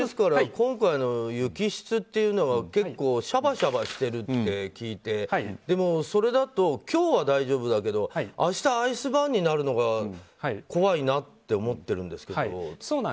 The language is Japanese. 今回の雪質っていうのは結構シャバシャバしてるって聞いて、でもそれだと今日は大丈夫だけど明日、アイスバーンになるのが怖いなって思ってるんですけど。